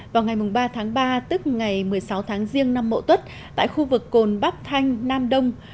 vào ngày ba tháng ba tức ngày một mươi sáu tháng riêng năm mộ tuất tại khu vực cồn bắc thanh nam đông